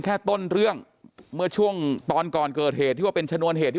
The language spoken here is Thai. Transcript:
แค่ต้นเรื่องเมื่อช่วงตอนก่อนเกิดเหตุที่ว่าเป็นชนวนเหตุที่